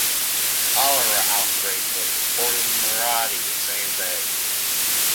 A cholera outbreak was reported in Maradi the same day.